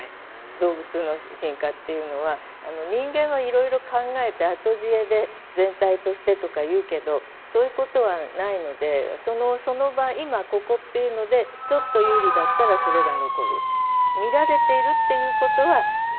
動物の進化っていうのは人間はいろいろ考えて後知恵で全体としてとか言うけどそういうことはないのでそのその場今ここっていうのでちょっと有利だったらそれが残る。